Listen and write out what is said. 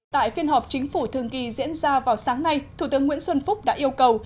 tại phiên họp chính phủ thường kỳ diễn ra vào sáng nay thủ tướng nguyễn xuân phúc đã yêu cầu